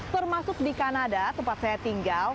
termasuk di kanada tempat saya tinggal